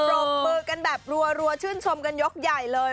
รบมือกันแบบรัวชื่นชมกันยกใหญ่เลย